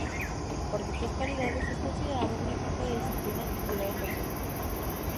Por dichas cualidades es considerado un ejemplo de disciplina y cuidado personal.